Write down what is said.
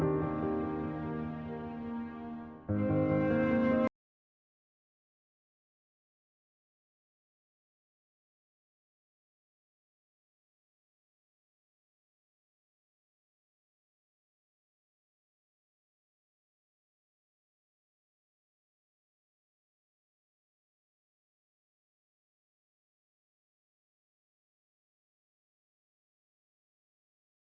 ini tuh cak